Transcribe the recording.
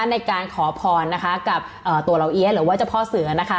ในการขอพรนะคะกับตัวเหล่าเอี๊ยะหรือว่าเจ้าพ่อเสือนะคะ